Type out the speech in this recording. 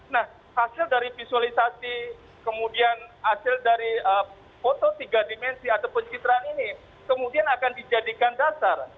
nah hasil dari visualisasi kemudian hasil dari foto tiga dimensi atau pencitraan ini kemudian akan dijadikan dasar